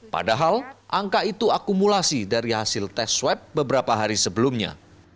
padahal angka itu akumulasi dari hasil tes swab beberapa hari sebelumnya